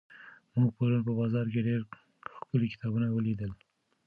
موږ پرون په بازار کې ډېر ښکلي کتابونه ولیدل.